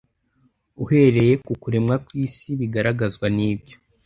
uhereye ku kuremwa kw isi bigaragazwa n ibyo